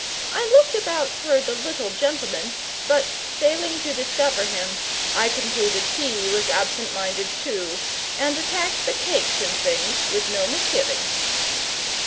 I looked about for the little gentleman, but, failing to discover him, I concluded he was absent minded too, and attacked the "cakes and things" with no misgivings.